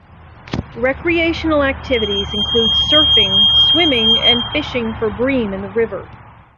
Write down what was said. Recreational activities include surfing, swimming and fishing for bream in the river.